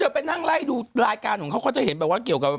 จะไปนั่งไล่รายการของเขาเขาจะเห็นกับป้องเกี่ยวกับ